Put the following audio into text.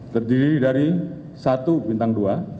terdiri dari satu bintang dua